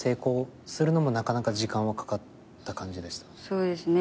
そうですね。